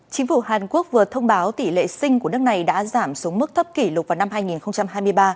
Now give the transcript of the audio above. chính phủ hàn quốc vừa thông báo tỷ lệ sinh của nước này đã giảm xuống mức thấp kỷ lục vào năm hai nghìn hai mươi ba